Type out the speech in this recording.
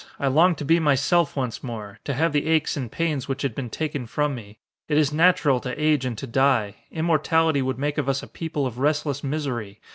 I longed to be myself once more, to have the aches and pains which had been taken from me. It is natural to age and to die. Immortality would make of us a people of restless misery.